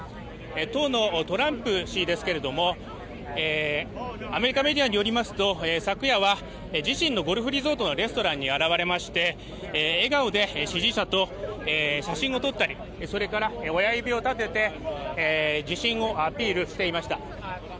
当のトランプ氏ですけれどもアメリカメディアによりますと、昨夜は自身のゴルフリゾートのレストランに現れまして笑顔で支持者と写真を撮ったり、それから親指を立てて、自信をアピールしていました。